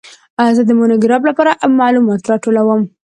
زه د مونوګراف لپاره معلومات راټولوم.